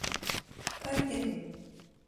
アイテム